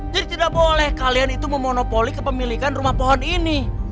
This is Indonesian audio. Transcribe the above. jadi tidak boleh kalian itu memonopoli kepemilikan rumah pohon ini